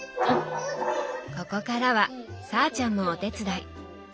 ここからはさぁちゃんもお手伝い。